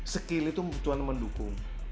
skill itu butuhan mendukung